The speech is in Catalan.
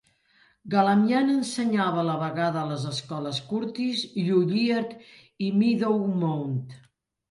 Galamian ensenyava a la vegada a les escoles Curtis, Juilliard i Meadowmount.